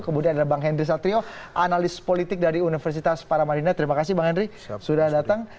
kemudian ada bang henry satrio analis politik dari universitas paramadina terima kasih bang henry sudah datang